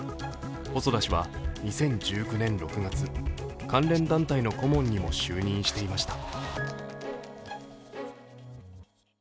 細田氏は２０１９年６月、関連団体の顧問にも就任していました。